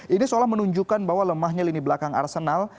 ini seolah menunjukkan bahwa lemahnya lini belakang arsenal